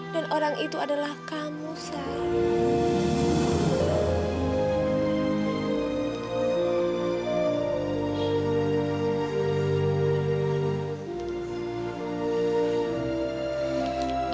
dan orang itu adalah kamu zat